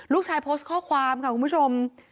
ลูกชายโพสต์ข้อความค่ะคุณผู้ชม